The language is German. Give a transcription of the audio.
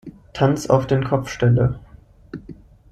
Tanz, auf den Kopf stelle.